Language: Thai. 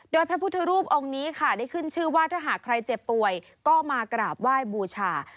โดยพระพุทธรูปองค์นี้ค่ะได้ขึ้นชื่อว่าถ้าหากใครเจ็บป่วยก็มากราบไหว้บูชา